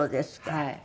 はい。